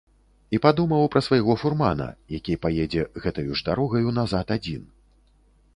І падумаў пра свайго фурмана, які паедзе гэтаю ж дарогаю назад адзін.